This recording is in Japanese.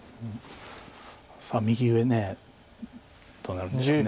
さあ右上どうなるんでしょうか。